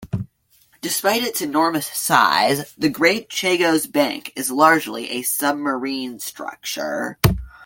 Despite its enormous size, the Great Chagos Bank is largely a submarine structure.